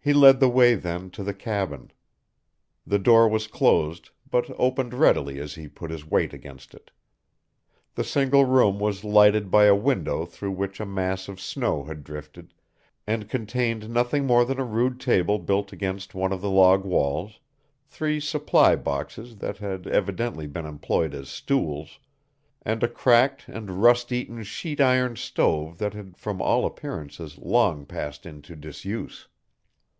He led the way then to the cabin. The door was closed, but opened readily as he put his weight against it. The single room was lighted by a window through which a mass of snow had drifted, and contained nothing more than a rude table built against one of the log walls, three supply boxes that had evidently been employed as stools, and a cracked and rust eaten sheet iron stove that had from all appearances long passed into disuse.